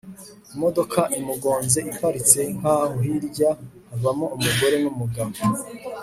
imodoka imugonze iparitse nkaho hirya havamo umugore numugabo